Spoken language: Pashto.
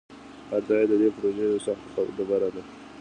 هر تایید د دې پروژې یوه سخته ډبره ده.